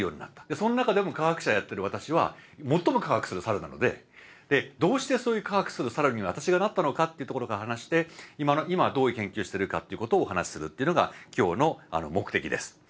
その中でも科学者やってる私は最も「科学する猿」なのでどうしてそういう「科学する猿」に私がなったのかってところから話して今はどういう研究してるかっていうことをお話しするっていうのが今日の目的です。